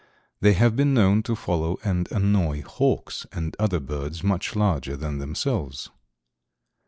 They have been known to follow and annoy hawks and other birds much larger than themselves.